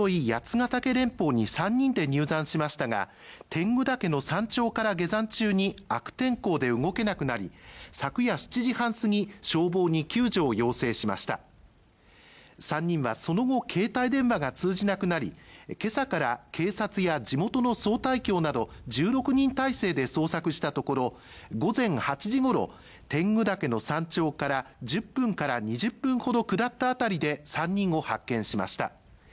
八ヶ岳連峰に３人で入山しましたが天狗岳の山頂から下山途中に悪天候で動けなくなり昨夜７時半過ぎ消防に救助を要請しました３人はその後携帯電話が通じなくなりけさから警察や地元の遭対協など１６人態勢で捜索したところ午前８時ごろ天狗岳の山頂から１０分から２０分ほど下ったあたりで３人を発見しました